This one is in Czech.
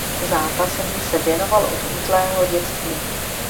Zápasení se věnoval od útlého dětství.